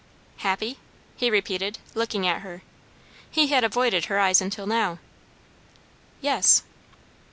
"Happy?" he repeated, looking at her. He had avoided her eyes until now. "Yes."